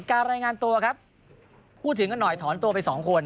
รายงานตัวครับพูดถึงกันหน่อยถอนตัวไปสองคน